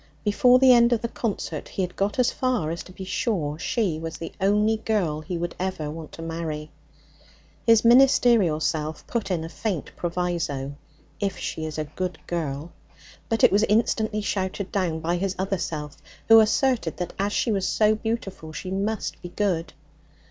Before the end of the concert he had got as far as to be sure she was the only girl he would ever want to marry. His ministerial self put in a faint proviso, 'If she is a good girl'; but it was instantly shouted down by his other self, who asserted that as she was so beautiful she must be good.